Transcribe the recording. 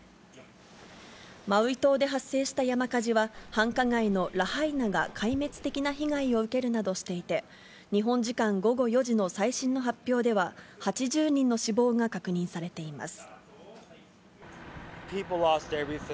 マウイ島で発生した山火事は、繁華街のラハイナが壊滅的な被害を受けるなどしていて、日本時間午後４時の最新の発表では、８０人の死亡が確認されています。